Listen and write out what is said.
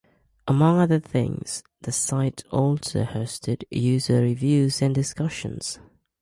Among other things, the site also hosted user reviews and discussions.